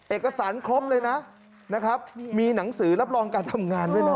เอกสารครบเลยนะนะครับมีหนังสือรับรองการทำงานด้วยนะ